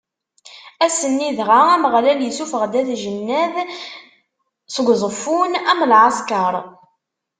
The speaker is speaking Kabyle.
Ass-nni dɣa, Ameɣlal issufeɣ-d At Jennad seg Uẓeffun, am lɛeskeṛ.